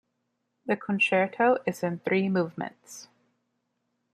The concerto is in three movements.